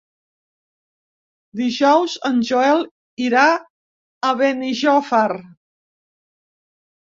Dijous en Joel irà a Benijòfar.